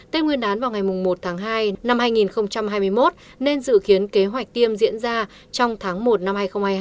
tết nguyên đán vào ngày một tháng hai năm hai nghìn hai mươi một nên dự kiến kế hoạch tiêm diễn ra trong tháng một năm hai nghìn hai mươi hai